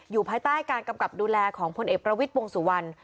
ภายใต้การกำกับดูแลของพลเอกประวิทย์วงสุวรรณ